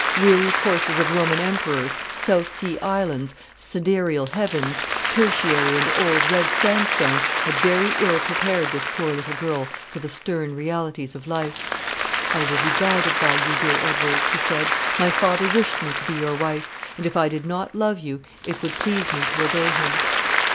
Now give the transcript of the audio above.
Weary courses of Roman Emperors, South Sea Islands, Sidereal Heavens, Tertiary and Old Red Sandstone, had very ill prepared this poor little girl for the stern realities of life. "I will be guided by you, dear Edward," she said; "my father wished me to be your wife; and if I did not love you, it would please me to obey him."